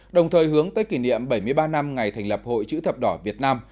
đồng thời hướng tới kỷ niệm bảy mươi ba năm ngày thành lập hội chữ thập đỏ việt nam